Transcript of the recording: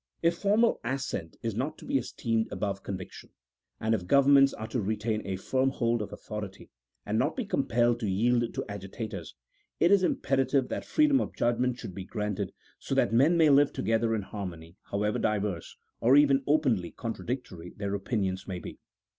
If formal assent is not to be esteemed above conviction, and if governments are to retain a firm hold of authority and not be compelled to yield to agitators, it is imperative that freedom of judgment should be granted, so that men may live together in harmony, however diverse, or even openly contradictory their opinions may be.